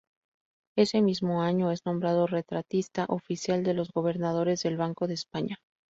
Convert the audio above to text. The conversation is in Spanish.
Ese mismo año, es nombrado retratista oficial de los gobernadores del Banco de España.